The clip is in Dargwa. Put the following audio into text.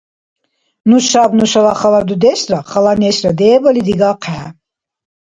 Нушаб нушала хала дудешра хала нешра дебали дигахъехӀе